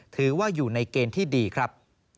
ถือว่าอยู่ในเกณฑ์ที่ดีครับ